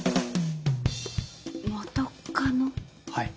はい。